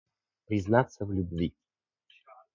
Признаться в любви.